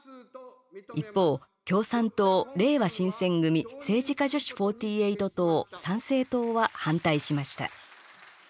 一方、共産党、れいわ新選組政治家女子４８党、参政党は反対しました。